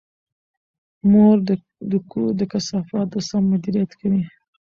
مور د کور د کثافاتو سم مدیریت کوي.